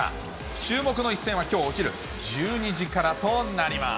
注目の一戦はきょうお昼１２時からとなります。